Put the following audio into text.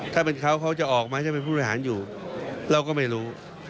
ถ้าเป็นเขาเขาจะออกมาจะเป็นผู้บริหารอยู่เราก็ไม่รู้